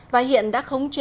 và hiện đã khống chế